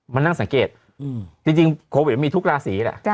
นั่งสังเกตจริงโควิดมันมีทุกราศีแหละ